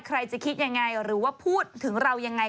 ใครจะคิดยังไงหรือว่าพูดถึงเรายังไง